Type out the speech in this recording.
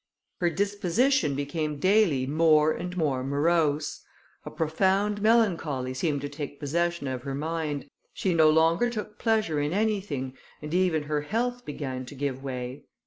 Her disposition became daily more and more morose: a profound melancholy seemed to take possession of her mind; she no longer took pleasure in anything, and even her health began to give way.